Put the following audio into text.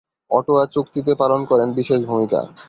Ottawa চুক্তিতে পালন করেন বিশেষ ভূমিকা।